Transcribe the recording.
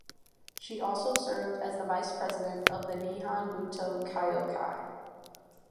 She also served as the vice president of the Nihon Buto Kyokai.